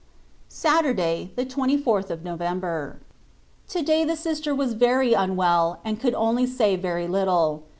Saturday, the 24th of November. To day the Sister was very unwell and could only say very little.